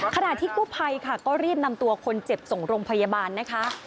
ขณะที่กู้ภัยค่ะก็รีบนำตัวคนเจ็บส่งโรงพยาบาลนะคะ